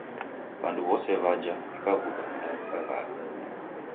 W'andu w'ose w'aja w'ikaghuda na w'ikaghala